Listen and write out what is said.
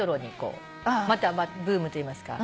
またブームといいますか。